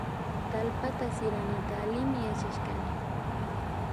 Tallpata siranata allimi yachashkanki